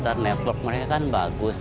dan network mereka kan bagus